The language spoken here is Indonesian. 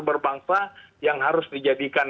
berbangsa yang harus dijadikan